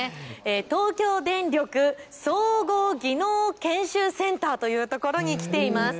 東京電力総合技能研修センターというところに来ています。